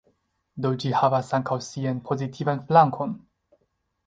Do ĝi havas ankaŭ sian pozitivan flankon.